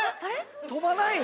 飛ばないの？